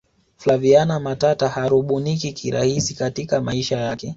flaviana matata harubuniki kirahisi katika maisha yake